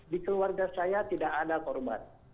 di keluarga saya tidak ada korban